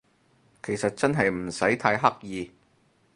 其實真係唔使太刻意